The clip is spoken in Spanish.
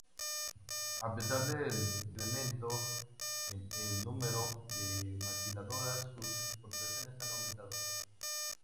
A pesar del decremento en el número de maquiladoras, sus exportaciones han aumentado.